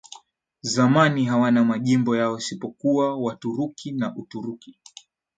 zamani hawana majimbo yao isipokuwa Waturuki wa Uturuki